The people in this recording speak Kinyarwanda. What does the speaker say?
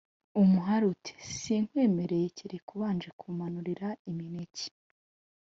Umuhali uti: « sinkwemereye, kereka ubanje kumanurira imineke